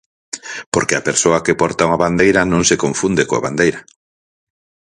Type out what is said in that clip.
Porque a persoa que porta unha bandeira non se confunde coa bandeira.